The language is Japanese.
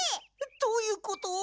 どういうこと？